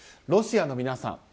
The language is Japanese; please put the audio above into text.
ロシアの皆さん